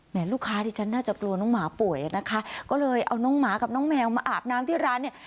ลูกค้าที่ฉันน่าจะกลัวน้องหมาป่วยอ่ะนะคะก็เลยเอาน้องหมากับน้องแมวมาอาบน้ำที่ร้านเนี่ย